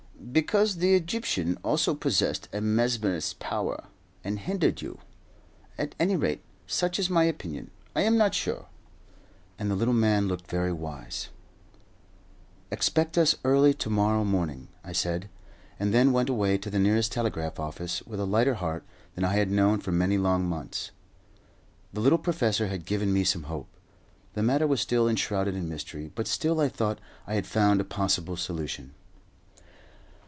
"Because the Egyptian also possessed a mesmerist's power, and hindered you. At any rate, such is my opinion. I am not sure;" and the little man looked very wise. "Expect us early to morrow morning," I said, and then went away to the nearest telegraph office, with a lighter heart than I had known for many long months. The little professor had given me some hope. The matter was still enshrouded in mystery, but still I thought I had found a possible solution.